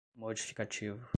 modificativo